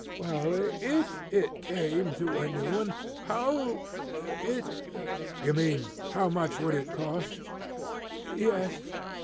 "Well, if it came to a new one, how it " "You mean how much would it cost?" "Yes."